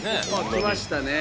きましたね。